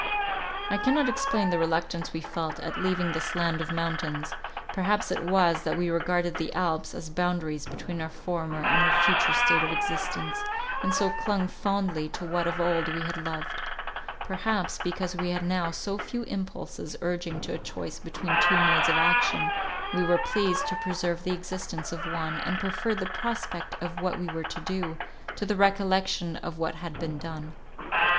I cannot explain the reluctance we felt at leaving this land of mountains; perhaps it was, that we regarded the Alps as boundaries between our former and our future state of existence, and so clung fondly to what of old we had loved. Perhaps, because we had now so few impulses urging to a choice between two modes of action, we were pleased to preserve the existence of one, and preferred the prospect of what we were to do, to the recollection of what had been done.